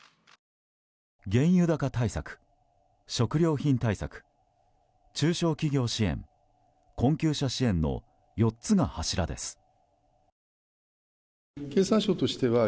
原油高対策、食料品対策中小企業支援、困窮者支援の４つの柱です。